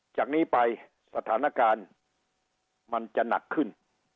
จากนี้ไปสถานการณ์มันจะหนักขึ้น